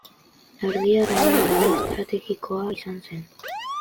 Erdi Aroan gune estrategikoa izan zen.